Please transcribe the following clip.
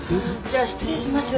じゃあ失礼します。